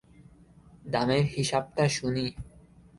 দামের হিসাবটা শুনি।